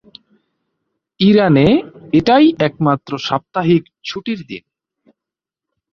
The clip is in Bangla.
ইরানে, এটাই একমাত্র সাপ্তাহিক ছুটির দিন।